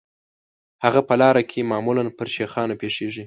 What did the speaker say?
هغه په لاره کې معمولاً پر شیخانو پیښیږي.